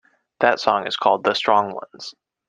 That song is called "The Strong Ones".